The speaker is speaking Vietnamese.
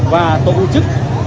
và tổ chức